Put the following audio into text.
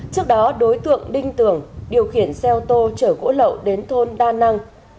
trước đó đối tượng đinh tưởng điều khiển xe ô tô chở gỗ lậu đến thôn đa năng